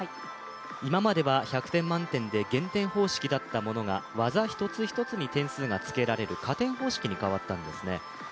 今までは１００点満点で減点方式だったものが技一つ一つに点数がつけられる加点方式に変わったんですね。